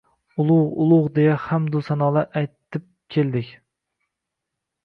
Ulug‘, ulug‘... deya hamdu sanolar aytib keldik.